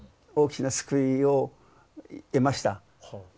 大きな救いを得ました。